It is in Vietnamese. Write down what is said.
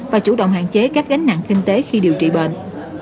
và chủ động hạn chế các gánh nặng kinh tế khi điều trị bệnh